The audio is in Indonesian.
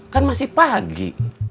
kan masih pagi